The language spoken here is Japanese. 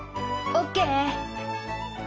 オッケー。